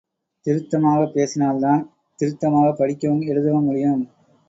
திருத்தமாகப் பேசினால்தான் திருத்தமாகப் படிக்கவும் எழுதவும் முடியும்.